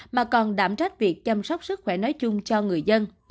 mà còn đảm trách việc chăm sóc sức khỏe nói chung cho người dân